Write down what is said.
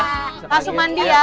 kasus mandi ya